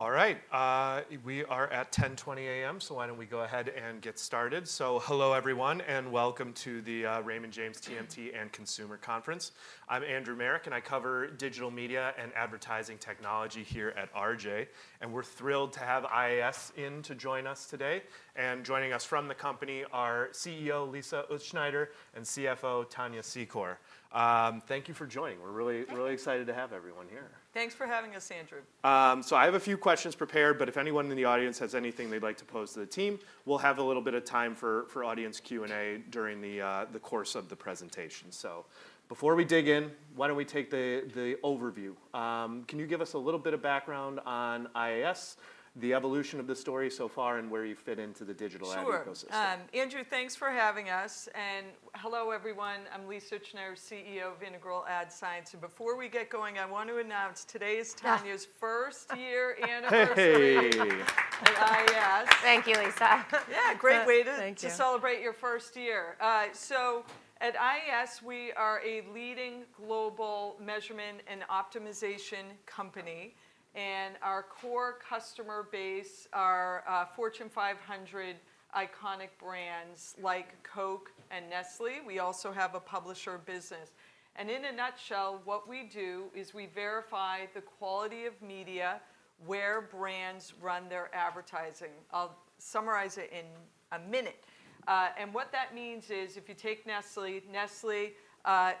All right, we are at 10:20 A.M., so why don't we go ahead and get started? Hello everyone, and Welcome to the Raymond James TMT and Consumer Conference. I'm Andrew Marok, and I cover digital media and advertising technology here at RJ, and we're thrilled to have IAS in to join us today. And joining us from the company are CEO Lisa Utzschneider and CFO Tania Secor. Thank you for joining. We're really- Thank you Really excited to have everyone here. Thanks for having us, Andrew. So I have a few questions prepared, but if anyone in the audience has anything they'd like to pose to the team, we'll have a little bit of time for audience Q&A during the course of the presentation. So before we dig in, why don't we take the overview? Can you give us a little bit of background on IAS, the evolution of the story so far, and where you fit into the digital ad ecosystem? Sure. Andrew, thanks for having us, and hello, everyone. I'm Lisa Utzschneider, CEO of Integral Ad Science, and before we get going, I want to announce today is Tania's first year anniversary. Hey! At IAS. Thank you, Lisa. Yeah, great way to- Thank you -to celebrate your first year. So at IAS, we are a leading global measurement and optimization company, and our core customer base are Fortune 500 iconic brands like Coke and Nestlé. We also have a publisher business. And in a nutshell, what we do is we verify the quality of media where brands run their advertising. I'll summarize it in a minute. And what that means is, if you take Nestlé, Nestlé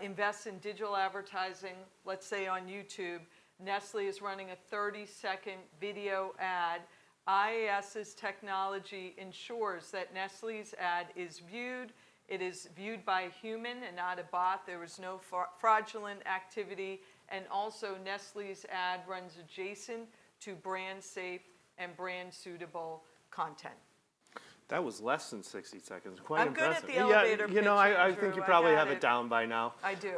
invests in digital advertising, let's say on YouTube. Nestlé is running a 30-second video ad. IAS's technology ensures that Nestlé's ad is viewed, it is viewed by a human and not a bot, there is no fraudulent activity, and also Nestlé's ad runs adjacent to brand safe and brand suitable content. That was less than 60 seconds. Quite impressive. I'm good at the elevator pitch, Andrew. Yeah, you know, I think you probably have it down by now. I do.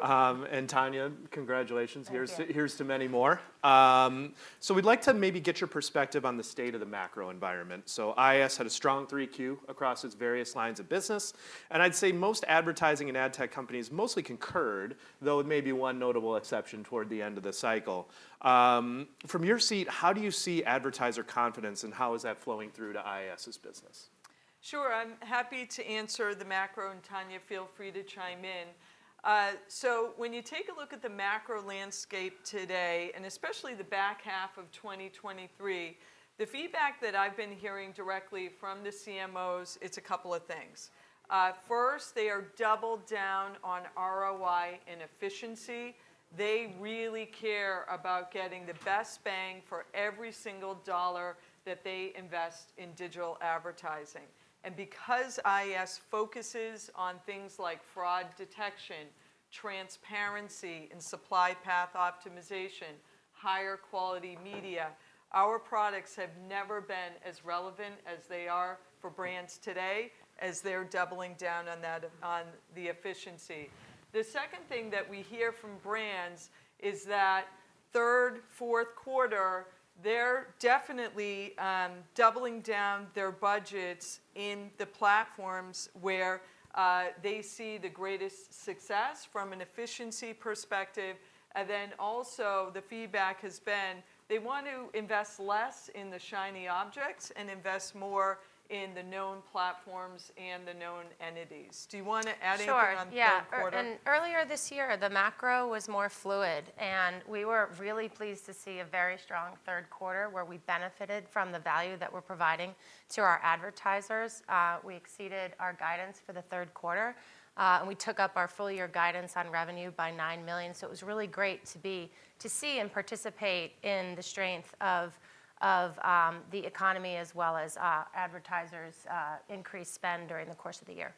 Tania, congratulations. Thank you. Here's to, here's to many more. So we'd like to maybe get your perspective on the state of the macro environment. So IAS had a strong Q3 across its various lines of business, and I'd say most advertising and ad tech companies mostly concurred, though with maybe one notable exception toward the end of the cycle. From your seat, how do you see advertiser confidence, and how is that flowing through to IAS's business? Sure, I'm happy to answer the macro, and Tania, feel free to chime in. So when you take a look at the macro landscape today, and especially the back half of 2023, the feedback that I've been hearing directly from the CMOs, it's a couple of things. First, they are doubled down on ROI and efficiency. They really care about getting the best bang for every single dollar that they invest in digital advertising. And because IAS focuses on things like fraud detection, transparency, and supply path optimization, higher quality media, our products have never been as relevant as they are for brands today as they're doubling down on that, on the efficiency. The second thing that we hear from brands is that third, Q4, they're definitely doubling down their budgets in the platforms where they see the greatest success from an efficiency perspective. And then also, the feedback has been they want to invest less in the shiny objects and invest more in the known platforms and the known entities. Do you wanna add anything? Sure on Q3? Yeah. And earlier this year, the macro was more fluid, and we were really pleased to see a very strong Q3, where we benefited from the value that we're providing to our advertisers. We exceeded our guidance for the Q3, and we took up our full year guidance on revenue by $9 million. So it was really great to see and participate in the strength of the economy as well as advertisers' increased spend during the course of the year.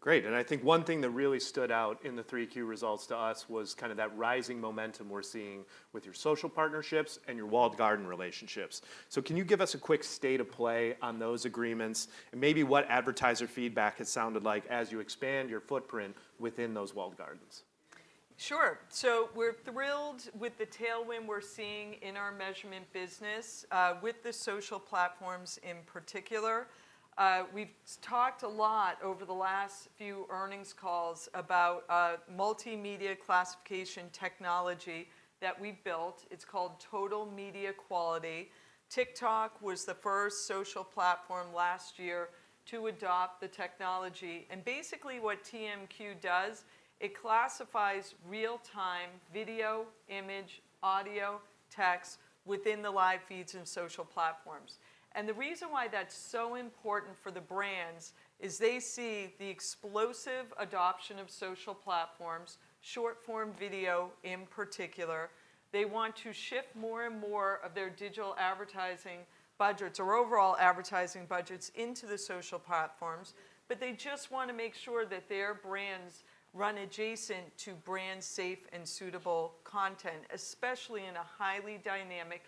Great, and I think one thing that really stood out in the Q3 results to us was kind of that rising momentum we're seeing with your social partnerships and your walled garden relationships. So can you give us a quick state of play on those agreements, and maybe what advertiser feedback has sounded like as you expand your footprint within those walled gardens? Sure. So we're thrilled with the tailwind we're seeing in our measurement business, with the social platforms in particular. We've talked a lot over the last few earnings calls about, multimedia classification technology that we've built. It's called Total Media Quality. TikTok was the first social platform last year to adopt the technology, and basically what TMQ does, it classifies real-time video, image, audio, text within the live feeds and social platforms. And the reason why that's so important for the brands is they see the explosive adoption of social platforms, short-form video in particular. They want to shift more and more of their digital advertising budgets or overall advertising budgets into the social platforms. But they just wanna make sure that their brands run adjacent to brand safe and suitable content, especially in a highly dynamic,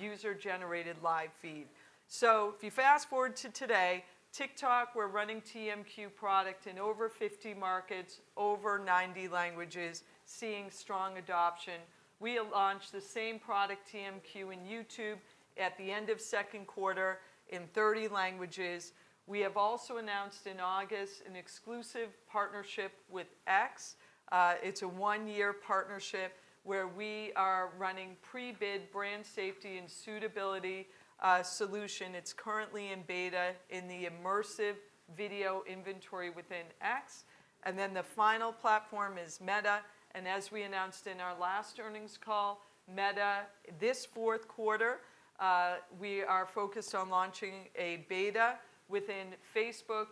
user-generated live feed. So if you fast-forward to today, TikTok, we're running TMQ product in over 50 markets, over 90 languages, seeing strong adoption. We launched the same product, TMQ, in YouTube at the end of Q2 in 30 languages. We have also announced in August an exclusive partnership with X. It's a one year partnership where we are running pre-bid brand safety and suitability solution. It's currently in beta in the immersive video inventory within X. And then the final platform is Meta, and as we announced in our last earnings call, Meta, this Q4, we are focused on launching a beta within Facebook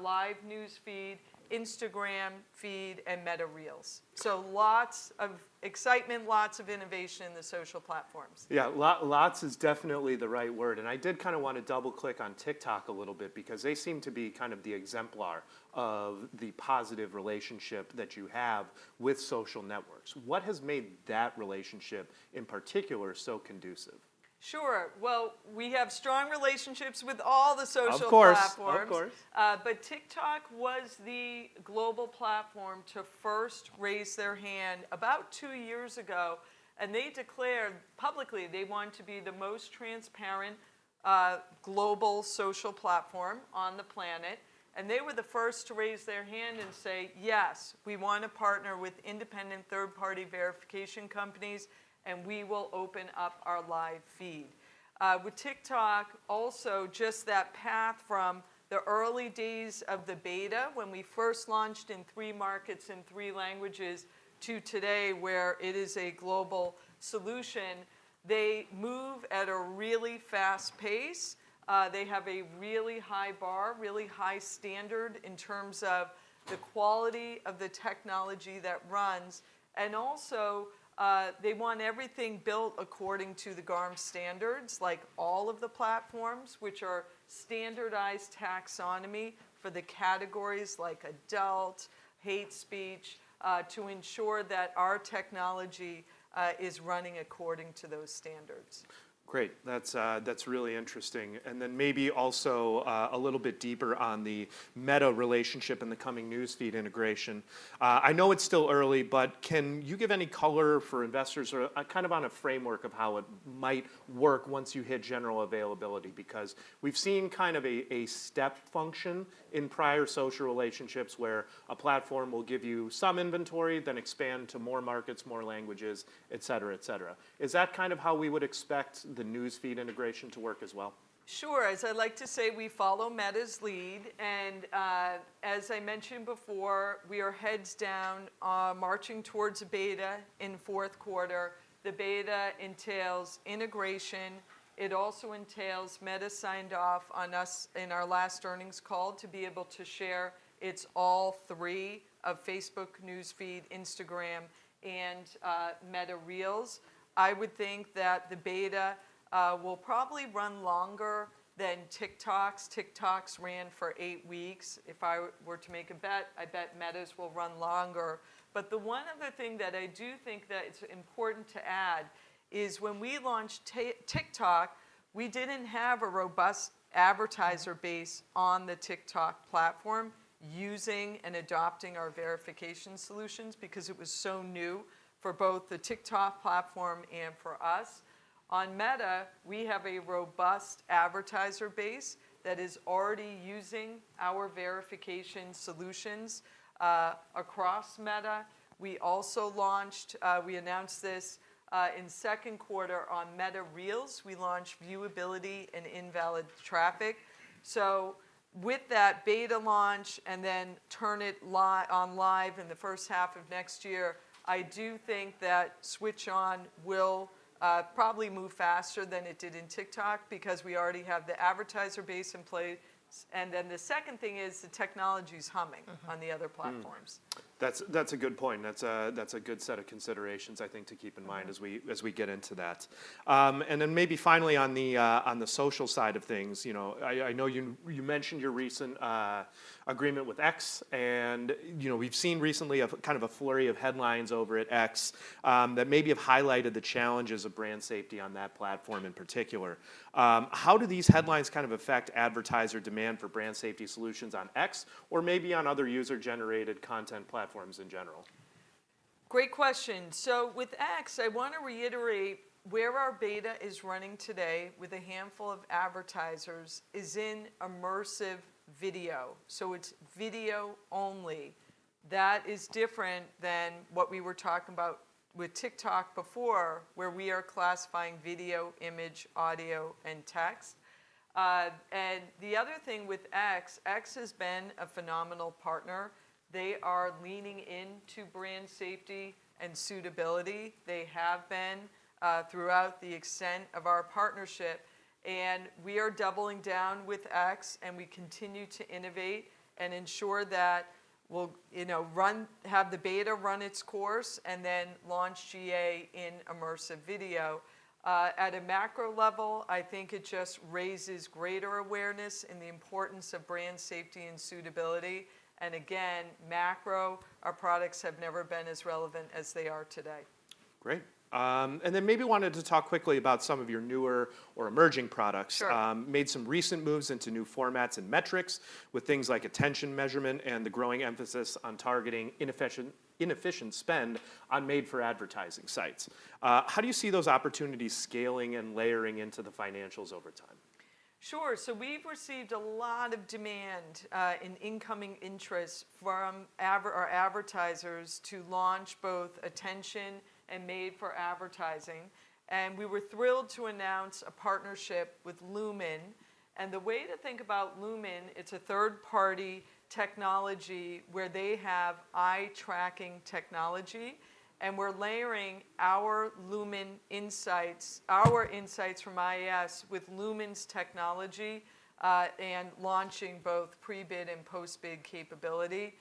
Live News Feed, Instagram Feed, and Meta Reels. So lots of excitement, lots of innovation in the social platforms. Yeah, lots is definitely the right word, and I did kinda wanna double-click on TikTok a little bit because they seem to be kind of the exemplar of the positive relationship that you have with social networks. What has made that relationship, in particular, so conducive? Sure. Well, we have strong relationships with all the social platforms. Of course, of course. But TikTok was the global platform to first raise their hand about two years ago, and they declared publicly they wanted to be the most transparent, global social platform on the planet. They were the first to raise their hand and say: "Yes, we want to partner with independent third-party verification companies, and we will open up our live feed." With TikTok, also just that path from the early days of the beta, when we first launched in three markets in three languages, to today, where it is a global solution, they move at a really fast pace. They have a really high bar, really high standard in terms of the quality of the technology that runs. And also, they want everything built according to the GARM standards, like all of the platforms, which are standardized taxonomy for the categories like adult, hate speech, to ensure that our technology is running according to those standards. Great. That's, that's really interesting. And then maybe also a little bit deeper on the Meta relationship and the coming News Feed integration. I know it's still early, but can you give any color for investors or kind of on a framework of how it might work once you hit general availability? Because we've seen kind of a step function in prior social relationships where a platform will give you some inventory, then expand to more markets, more languages, et cetera, et cetera. Is that kind of how we would expect the News Feed integration to work as well? Sure. As I like to say, we follow Meta's lead, and, as I mentioned before, we are heads down, marching towards beta in Q4. The beta entails integration. It also entails Meta signed off on us in our last earnings call to be able to share its all three of Facebook News Feed, Instagram, and, Meta Reels. I would think that the beta, will probably run longer than TikTok's. TikTok's ran for 8 weeks. If I were to make a bet, I'd bet Meta's will run longer. But the one other thing that I do think that it's important to add is when we launched TikTok, we didn't have a robust advertiser base on the TikTok platform using and adopting our verification solutions because it was so new for both the TikTok platform and for us. On Meta, we have a robust advertiser base that is already using our verification solutions across Meta. We also launched. We announced this in Q2 on Meta Reels. We launched viewability and invalid traffic. So with that beta launch and then turn it on live in the H1 of next year, I do think that switch on will probably move faster than it did in TikTok because we already have the advertiser base in place. And then the second thing is the technology's humming- Mm-hmm -on the other platforms. Hmm. That's a good point. That's a good set of considerations, I think, to keep in mind- Mm-hmm -as we get into that. And then maybe finally on the social side of things, you know, I know you mentioned your recent agreement with X, and, you know, we've seen recently a kind of a flurry of headlines over at X, that maybe have highlighted the challenges of brand safety on that platform in particular. How do these headlines kind of affect advertiser demand for brand safety solutions on X, or maybe on other user-generated content platforms in general? Great question. So with X, I want to reiterate where our beta is running today with a handful of advertisers is in immersive video, so it's video only. That is different than what we were talking about with TikTok before, where we are classifying video, image, audio, and text. And the other thing with X, X has been a phenomenal partner. They are leaning into brand safety and suitability. They have been, throughout the extent of our partnership, and we are doubling down with X, and we continue to innovate and ensure that we'll, you know, have the beta run its course and then launch GA in immersive video. At a macro level, I think it just raises greater awareness in the importance of brand safety and suitability, and again, macro, our products have never been as relevant as they are today. Great. And then maybe wanted to talk quickly about some of your newer or emerging products. Sure. Made some recent moves into new formats and metrics with things like attention measurement and the growing emphasis on targeting inefficient spend on made-for-advertising sites. How do you see those opportunities scaling and layering into the financials over time? Sure. So we've received a lot of demand and incoming interest from our advertisers to launch both attention and made-for-advertising, and we were thrilled to announce a partnership with Lumen. The way to think about Lumen, it's a third-party technology where they have eye-tracking technology and we're layering our Lumen insights, our insights from IAS with Lumen's technology and launching both pre-bid and post-bid capability.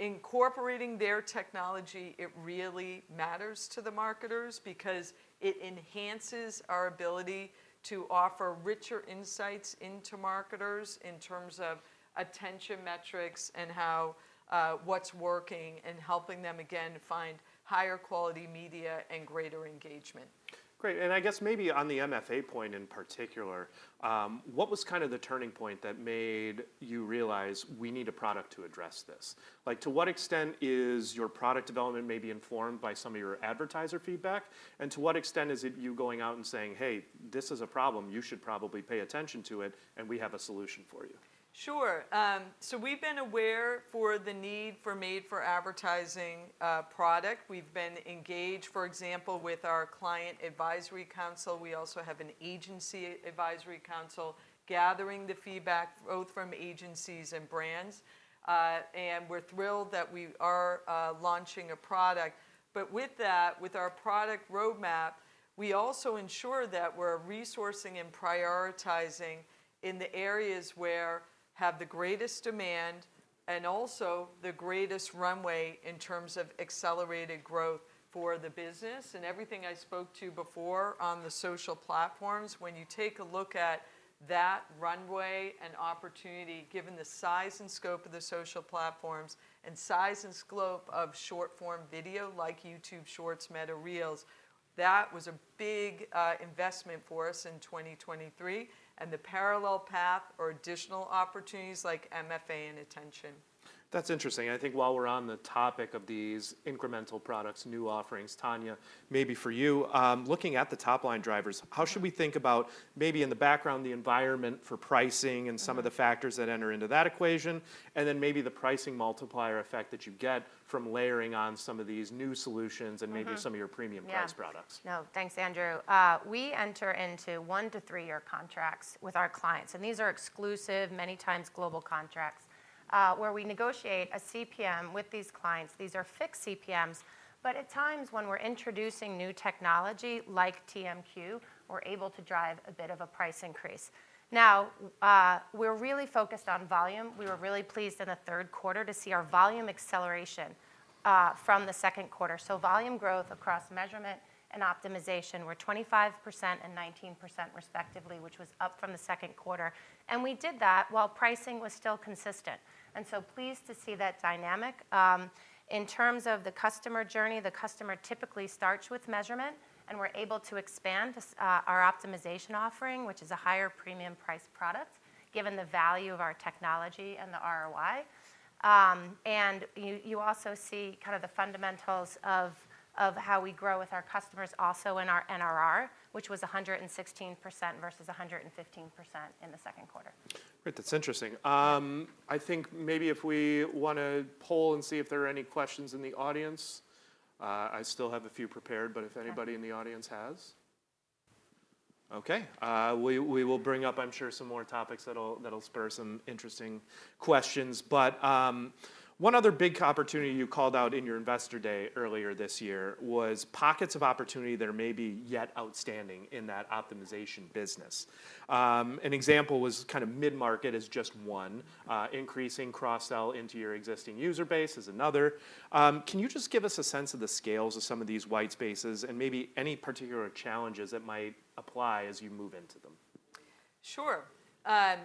Incorporating their technology, it really matters to the marketers because it enhances our ability to offer richer insights into marketers in terms of attention metrics and how what's working, and helping them, again, find higher quality media and greater engagement. Great. And I guess maybe on the MFA point in particular, what was kind of the turning point that made you realize we need a product to address this? Like, to what extent is your product development maybe informed by some of your advertiser feedback? And to what extent is it you going out and saying, "Hey, this is a problem. You should probably pay attention to it, and we have a solution for you"? Sure. So we've been aware for the need for made-for-advertising product. We've been engaged, for example, with our client advisory council. We also have an agency advisory council, gathering the feedback both from agencies and brands. And we're thrilled that we are launching a product. But with that, with our product roadmap, we also ensure that we're resourcing and prioritizing in the areas where have the greatest demand and also the greatest runway in terms of accelerated growth for the business. And everything I spoke to before on the social platforms, when you take a look at that runway and opportunity, given the size and scope of the social platforms and size and scope of short-form video, like YouTube Shorts, Meta Reels, that was a big investment for us in 2023, and the parallel path or additional opportunities like MFA and attention. That's interesting, and I think while we're on the topic of these incremental products, new offerings, Tania, maybe for you, looking at the top-line drivers, how should we think about maybe in the background, the environment for pricing? Mm-hmm And some of the factors that enter into that equation, and then maybe the pricing multiplier effect that you get from layering on some of these new solutions. Mm-hmm And maybe some of your premium price products? Yeah. No, thanks, Andrew. We enter into 1-3-year contracts with our clients, and these are exclusive, many times global contracts, where we negotiate a CPM with these clients. These are fixed CPMs, but at times when we're introducing new technology, like TMQ, we're able to drive a bit of a price increase. Now, we're really focused on volume. We were really pleased in the Q3 to see our volume acceleration from the Q2. So volume growth across measurement and optimization were 25% and 19% respectively, which was up from the Q2, and we did that while pricing was still consistent, and so pleased to see that dynamic. In terms of the customer journey, the customer typically starts with measurement, and we're able to expand this, our optimization offering, which is a higher premium price product, given the value of our technology and the ROI. And you also see kind of the fundamentals of how we grow with our customers also in our NRR, which was 116% versus 115% in the Q2. Great. That's interesting. I think maybe if we want to poll and see if there are any questions in the audience, I still have a few prepared, but if anybody- Okay -in the audience has? Okay. We, we will bring up, I'm sure, some more topics that'll, that'll spur some interesting questions. But one other big opportunity you called out in your Investor Day earlier this year was pockets of opportunity that are maybe yet outstanding in that optimization business. An example was kind of mid-market is just one, increasing cross-sell into your existing user base is another. Can you just give us a sense of the scales of some of these white spaces and maybe any particular challenges that might apply as you move into them? Sure.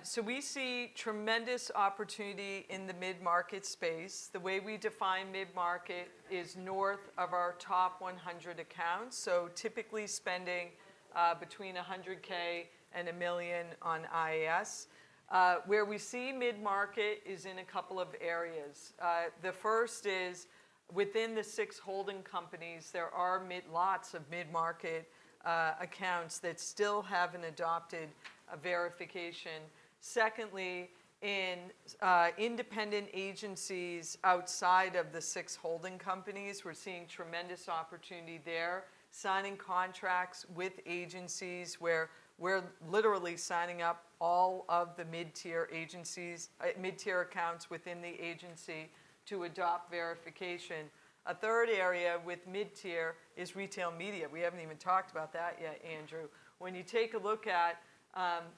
So we see tremendous opportunity in the mid-market space. The way we define mid-market is north of our top 100 accounts, so typically spending between $100K and $1 million on IAS. Where we see mid-market is in a couple of areas. The first is within the six holding companies. There are lots of mid-market accounts that still haven't adopted verification. Secondly, in independent agencies outside of the six holding companies, we're seeing tremendous opportunity there. Signing contracts with agencies where we're literally signing up all of the mid-tier agencies, mid-tier accounts within the agency to adopt verification. A third area with mid-tier is retail media. We haven't even talked about that yet, Andrew. When you take a look at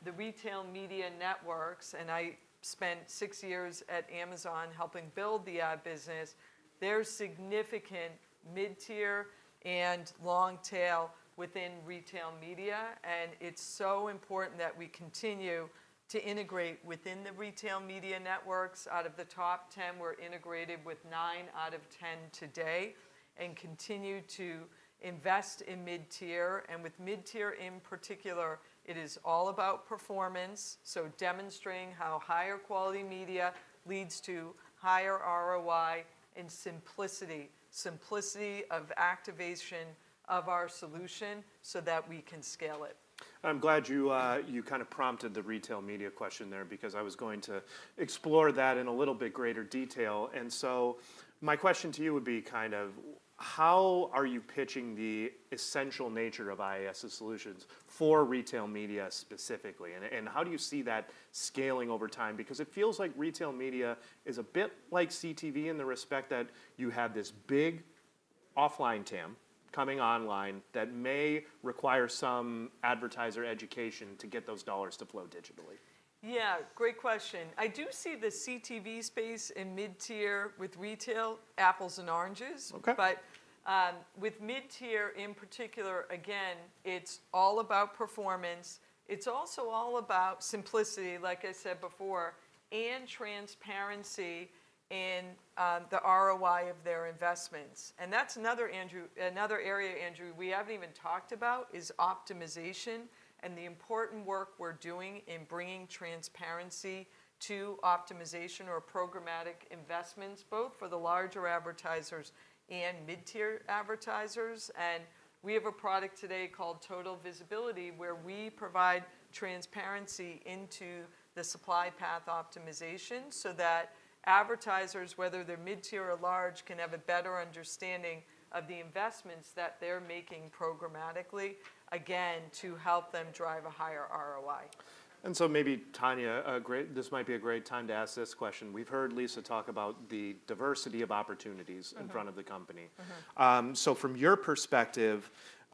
the retail media networks, and I spent six years at Amazon helping build the ad business, there's significant mid-tier and long tail within retail media, and it's so important that we continue to integrate within the retail media networks. Out of the top 10, we're integrated with 9 out of 10 today and continue to invest in mid-tier, and with mid-tier in particular, it is all about performance, so demonstrating how higher quality media leads to higher ROI and simplicity, simplicity of activation of our solution so that we can scale it. I'm glad you kind of prompted the retail media question there because I was going to explore that in a little bit greater detail. So my question to you would be kind of, how are you pitching the essential nature of IAS's solutions for retail media specifically, and how do you see that scaling over time? Because it feels like retail media is a bit like CTV in the respect that you have this big offline TAM, coming online, that may require some advertiser education to get those dollars to flow digitally? Yeah, great question. I do see the CTV space in mid-tier with retail, apples and oranges. Okay. But, with mid-tier in particular, again, it's all about performance. It's also all about simplicity, like I said before, and transparency in the ROI of their investments. And that's another, Andrew, another area, Andrew, we haven't even talked about, is optimization and the important work we're doing in bringing transparency to optimization or programmatic investments, both for the larger advertisers and mid-tier advertisers. And we have a product today called Total Visibility, where we provide transparency into the Supply Path Optimization, so that advertisers, whether they're mid-tier or large, can have a better understanding of the investments that they're making programmatically, again, to help them drive a higher ROI. And so maybe, Tania, this might be a great time to ask this question. We've heard Lisa talk about the diversity of opportunities- Mm-hmm in front of the company. Mm-hmm. So from your perspective,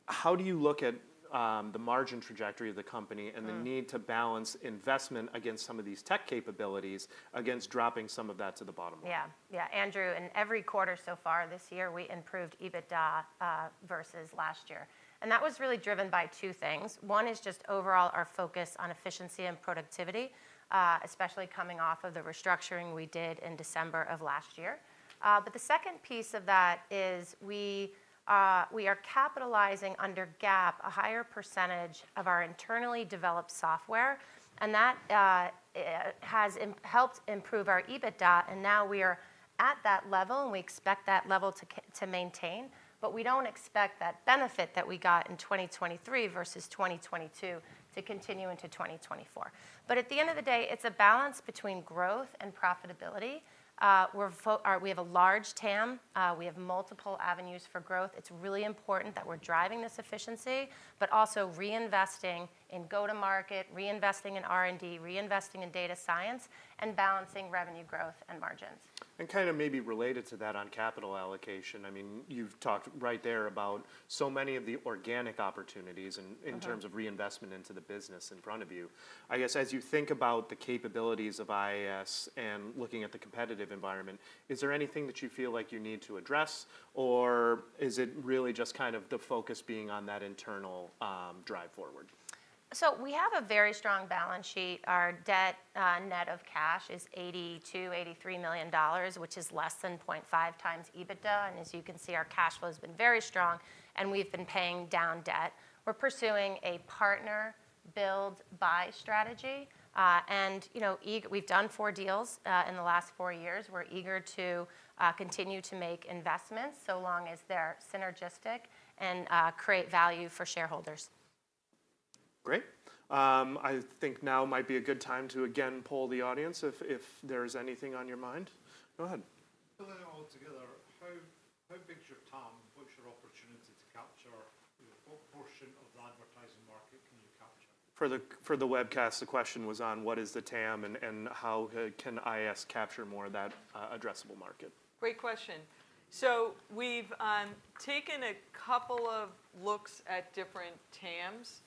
how do you look at the margin trajectory of the company? Mm and the need to balance investment against some of these tech capabilities, against dropping some of that to the bottom line? Yeah. Yeah, Andrew, in every quarter so far this year, we improved EBITDA versus last year, and that was really driven by two things. One is just overall our focus on efficiency and productivity, especially coming off of the restructuring we did in December of last year. But the second piece of that is we are capitalizing under GAAP a higher percentage of our internally developed software, and that has helped improve our EBITDA, and now we are at that level, and we expect that level to maintain, but we don't expect that benefit that we got in 2023 versus 2022 to continue into 2024. But at the end of the day, it's a balance between growth and profitability. We're focused; we have a large TAM; we have multiple avenues for growth. It's really important that we're driving this efficiency, but also reinvesting in go-to-market, reinvesting in R&D, reinvesting in data science, and balancing revenue growth and margins. Kind of maybe related to that on capital allocation, I mean, you've talked right there about so many of the organic opportunities and- Mm-hmm In terms of reinvestment into the business in front of you. I guess, as you think about the capabilities of IAS and looking at the competitive environment, is there anything that you feel like you need to address, or is it really just kind of the focus being on that internal drive forward? So we have a very strong balance sheet. Our debt, net of cash is $82-$83 million, which is less than 0.5x EBITDA, and as you can see, our cash flow has been very strong, and we've been paying down debt. We're pursuing a partner build/buy strategy. And you know, we've done 4 deals in the last 4 years. We're eager to continue to make investments, so long as they're synergistic and create value for shareholders. Great. I think now might be a good time to again poll the audience if there is anything on your mind. Go ahead. Pulling it all together, how, how big is your TAM? What's your opportunity to capture? What portion of the advertising market can you capture? For the webcast, the question was on what is the TAM and how can IAS capture more of that addressable market? Great question. So we've taken a couple of looks at different TAMs.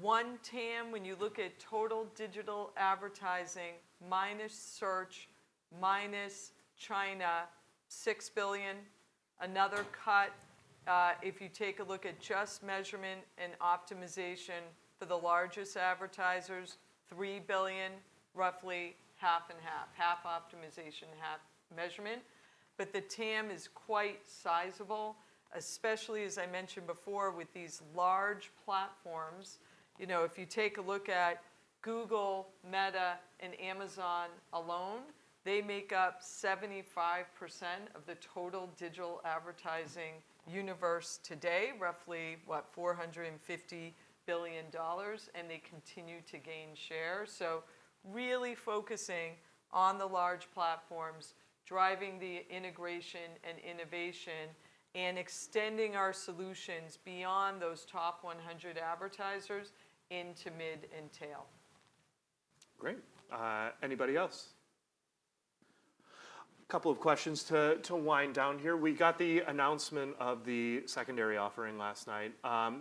One TAM, when you look at total digital advertising, minus search, minus China, $6 billion. Another cut, if you take a look at just measurement and optimization for the largest advertisers, $3 billion, roughly half and half. Half optimization, half measurement. But the TAM is quite sizable, especially, as I mentioned before, with these large platforms. You know, if you take a look at Google, Meta, and Amazon alone, they make up 75% of the total digital advertising universe today, roughly, what? $450 billion, and they continue to gain share. So really focusing on the large platforms, driving the integration and innovation, and extending our solutions beyond those top 100 advertisers into mid and tail. Great. Anybody else? Couple of questions to wind down here. We got the announcement of the secondary offering last night.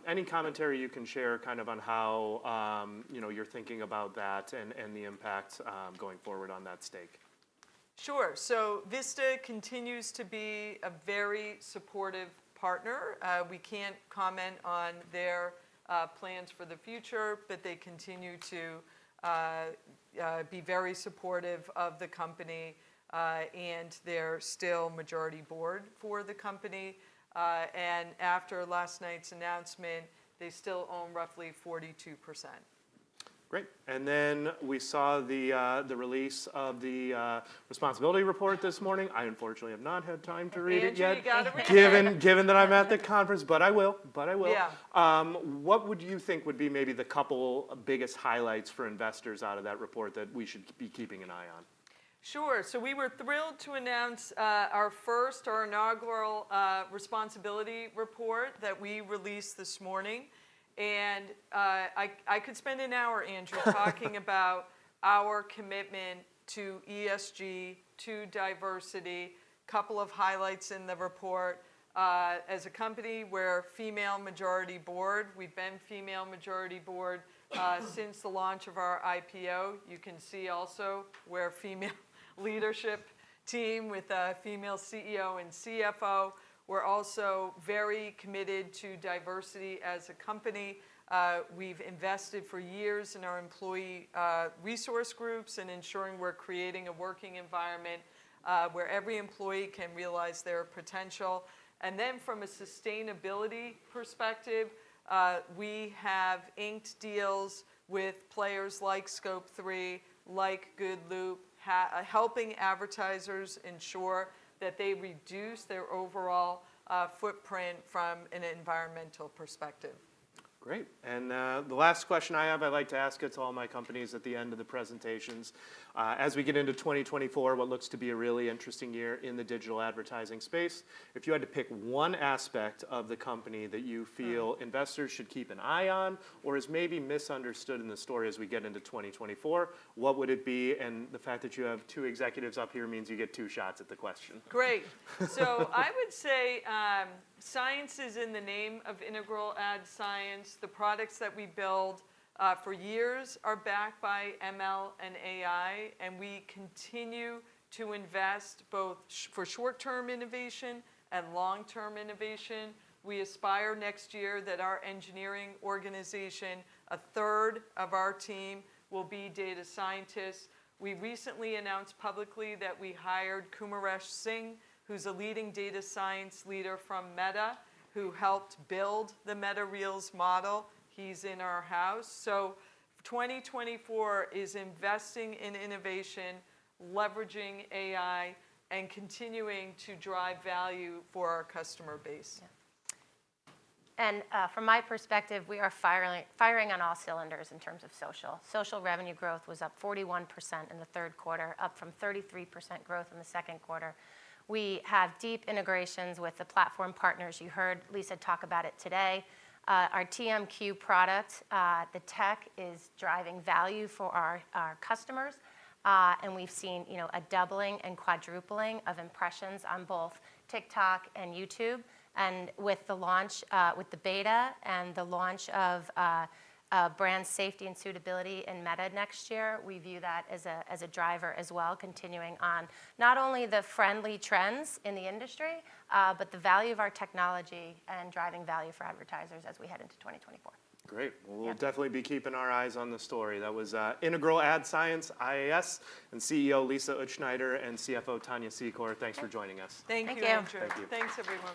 Any commentary you can share kind of on how, you know, you're thinking about that and the impact going forward on that stake? Sure. So Vista continues to be a very supportive partner. We can't comment on their plans for the future, but they continue to be very supportive of the company, and they're still majority board for the company. And after last night's announcement, they still own roughly 42%. Great, and then we saw the release of the responsibility report this morning. I unfortunately have not had time to read it yet. Andrew, you got to read it. Given that I'm at the conference, but I will. But I will. Yeah. What would you think would be maybe the couple biggest highlights for investors out of that report that we should be keeping an eye on? Sure. So we were thrilled to announce our first, our inaugural, responsibility report that we released this morning, and I could spend an hour, Andrew—talking about our commitment to ESG, to diversity. Couple of highlights in the report: as a company, we're a female-majority board. We've been female-majority board since the launch of our IPO. You can see also we're a female leadership team with a female CEO and CFO. We're also very committed to diversity as a company. We've invested for years in our employee resource groups and ensuring we're creating a working environment where every employee can realize their potential. And then from a sustainability perspective, we have inked deals with players like Scope3, like Good-Loop, helping advertisers ensure that they reduce their overall footprint from an environmental perspective. Great. The last question I have, I like to ask it to all my companies at the end of the presentations: as we get into 2024, what looks to be a really interesting year in the digital advertising space, if you had to pick one aspect of the company that you feel investors should keep an eye on or is maybe misunderstood in the story as we get into 2024, what would it be? The fact that you have two executives up here means you get two shots at the question. Great! So I would say, science is in the name of Integral Ad Science. The products that we build for years are backed by ML and AI, and we continue to invest both for short-term innovation and long-term innovation. We aspire next year that our engineering organization, a third of our team will be data scientists. We recently announced publicly that we hired Kumaresh Singh, who's a leading data science leader from Meta, who helped build the Meta Reels model. He's in our house. So 2024 is investing in innovation, leveraging AI, and continuing to drive value for our customer base. Yeah. And, from my perspective, we are firing on all cylinders in terms of social. Social revenue growth was up 41% in the Q3, up from 33% growth in the Q2. We have deep integrations with the platform partners. You heard Lisa talk about it today. Our TMQ product, the tech is driving value for our customers. And we've seen, you know, a doubling and quadrupling of impressions on both TikTok and YouTube. And with the beta and the launch of brand safety and suitability in Meta next year, we view that as a driver as well, continuing on not only the friendly trends in the industry, but the value of our technology and driving value for advertisers as we head into 2024. Great. Yeah. Well, we'll definitely be keeping our eyes on the story. That was Integral Ad Science, IAS, and CEO Lisa Utzschneider and CFO Tania Secor. Yep. Thanks for joining us. Thank you, Andrew. Thank you. Thank you. Thanks, everyone.